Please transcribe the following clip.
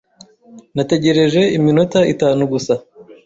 Nategereje iminota itanu gusa.